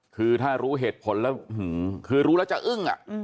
คือถ้ารู้เหตุผลแล้วก็จะอึ่ง